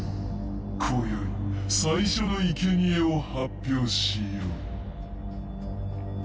こよい最初のいけにえを発表しよう。